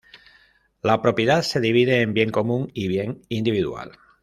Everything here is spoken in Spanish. La propiedad se divide en bien común y bien individual.